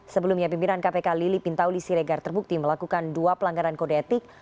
sebelumnya pimpinan kpk lili pintauli siregar terbukti melakukan dua pelanggaran kode etik